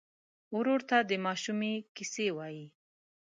ورور ته د ماشومۍ کیسې وایې.